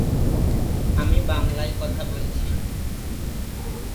He spent one semester studying aesthetics and one studying law.